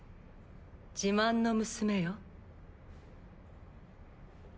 自慢の娘よ。